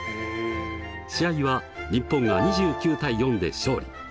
試合は日本が２９対４で勝利。